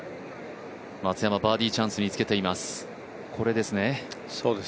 松山、バーディーチャンスにつけています。